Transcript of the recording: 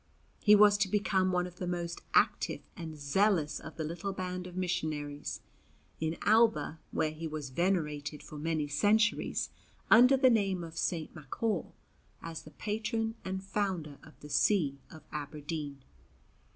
He was to become one of the most active and zealous of the little band of missionaries, in Alba, where he was venerated for many centuries under the name of St. Machor, as the patron and founder of the See of Aberdeen.